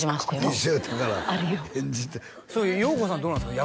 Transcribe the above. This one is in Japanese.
一生だから演じてよう子さんどうなんですか？